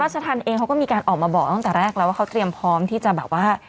ทันเองเขาก็มีการออกมาบอกตั้งแต่แรกแล้วว่าเขาเตรียมพร้อมที่จะแบบว่า